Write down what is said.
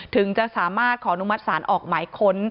ถึงจะสามารถขอนุมัติศาลออกหมายค้น